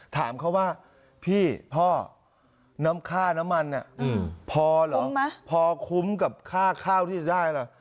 ถามเขาว่าพี่พ่อน้ำค่าน้ำมันพอเหรอพอคุ้มกับค่าข้าวที่จะได้เหรอ